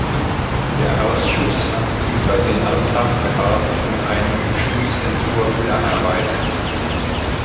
Der Ausschuss hat über den Antrag beraten und einen Beschlussentwurf erarbeitet.